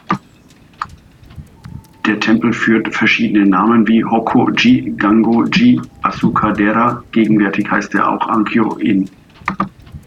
Der Tempel führt verschiedene Namen wie Hokkō-ji, Gangō-ji, Asuka-dera, gegenwärtig heißt er auch Ankyō-in.